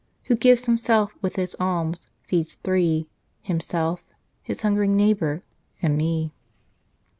Who gives himself with his alms feeds three, Himself, his hungering neighbour, and Me."